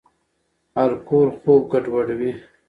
الکول خوب ګډوډوي.